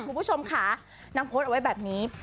คุณผู้ชมค่ะนางโพสต์เอาไว้แบบนี้